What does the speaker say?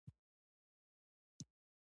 خانزادګۍ زياتوي